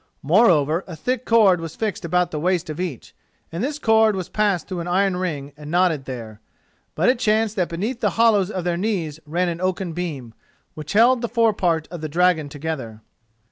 Moreover, a thick cord was fixed about the waist of each, and this cord was passed through the iron ring and knotted there. But it chanced that beneath the hollows of their knees ran an oaken beam, which held the forepart of the dragon together.